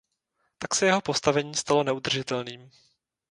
Tak se jeho postavení stalo neudržitelným.